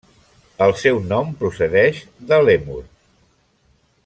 El seu nom procedeix de Lèmur.